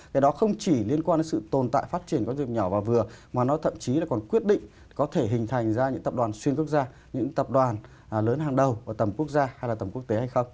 cái đó không chỉ liên quan đến sự tồn tại phát triển các doanh nghiệp nhỏ và vừa mà nó thậm chí là còn quyết định có thể hình thành ra những tập đoàn xuyên quốc gia những tập đoàn lớn hàng đầu ở tầm quốc gia hay là tầm quốc tế hay không